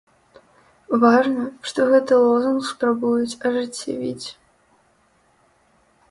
Важна, што гэты лозунг спрабуюць ажыццявіць.